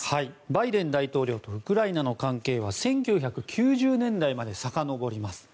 バイデン大統領とウクライナの関係は１９９０年代までさかのぼります。